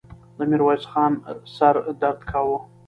د ميرويس خان سر درد کاوه.